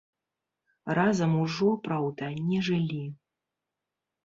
Разам ужо, праўда, не жылі.